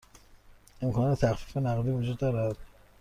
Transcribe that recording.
امکان تخفیف نقدی وجود دارد؟